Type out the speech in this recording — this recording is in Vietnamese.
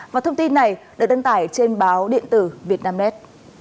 và thông tin này đã đăng tải trên báo điện tử việt nam net